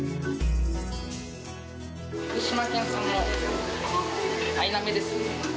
福島県産のアイナメです。